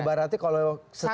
ibaratnya kalau setelah